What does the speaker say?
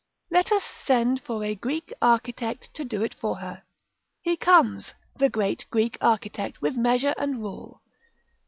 Let us send for a Greek architect to do it for her. He comes the great Greek architect, with measure and rule.